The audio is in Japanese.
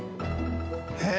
へえ。